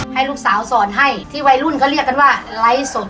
ให้ลูกสาวสอนให้ที่วัยรุ่นเขาเรียกกันว่าไลฟ์สด